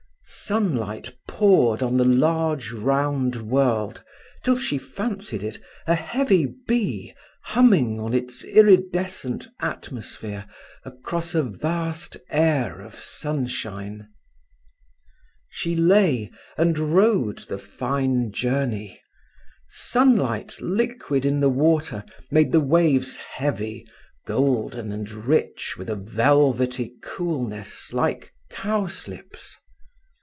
Sunlight poured on the large round world till she fancied it a heavy bee humming on its iridescent atmosphere across a vast air of sunshine. She lay and rode the fine journey. Sunlight liquid in the water made the waves heavy, golden, and rich with a velvety coolness like cowslips.